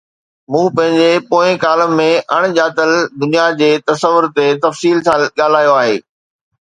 مون پنهنجي پوئين ڪالم ۾ اڻڄاتل دنيا جي تصور تي تفصيل سان ڳالهايو هو.